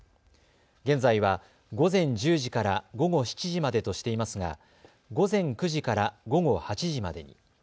現在は午前１０時から午後７時までとしていますが午前９時から午後８時までに。